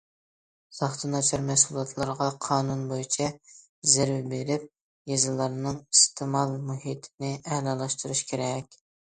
ساختا، ناچار مەھسۇلاتلارغا قانۇن بويىچە زەربە بېرىپ، يېزىلارنىڭ ئىستېمال مۇھىتىنى ئەلالاشتۇرۇش كېرەك.